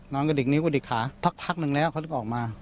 นอนกระดิกนิ้วก็ดิกขาพักหนึ่งแล้วเขาออกมา